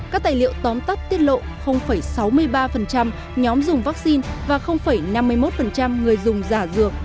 các tài liệu tóm tắt tiết lộ sáu mươi ba nhóm dùng vaccine và năm mươi một người dùng giả dược